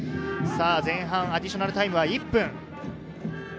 前半、アディショナルタイムは１分。